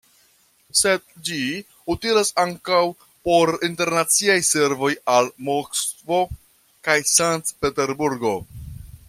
Sed ĝi utilas ankaŭ por internaciaj servoj al Moskvo kaj Sankt-Peterburgo.